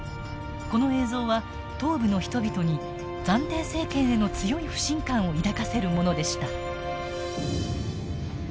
この映像は東部の人々に暫定政権への強い不信感を抱かせるものでした。